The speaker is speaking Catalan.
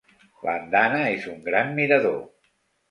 L'andana és un gran mirador.